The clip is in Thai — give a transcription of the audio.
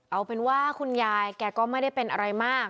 เอาเป็นว่าคุณยายแกก็ไม่ได้เป็นอะไรมาก